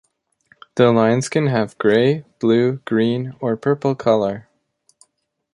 The lines can have gray, blue, green or purple color.